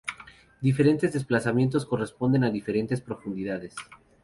Diferentes desplazamientos corresponden a diferentes profundidades.